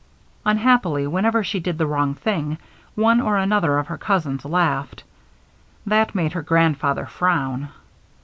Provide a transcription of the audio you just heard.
Unhappily, whenever she did the wrong thing, one or another of her cousins laughed. That made her grandfather frown.